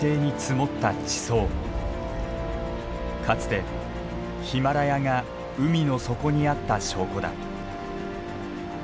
かつてヒマラヤが海の底にあった証拠だ。